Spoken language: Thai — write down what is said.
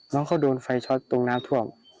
น้องเขาโดนไฟช็อตตรงน้ำท่วม